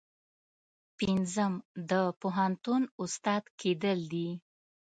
پنځم د پوهنتون استاد کیدل دي.